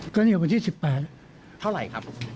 ก็เนี่ยวันที่๑๘เท่าไหร่ครับ